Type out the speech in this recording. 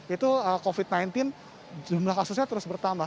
itu covid sembilan belas jumlah kasusnya terus bertambah